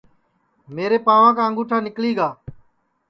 میرے پانٚوا کا انٚگُٹھا نیکݪی گا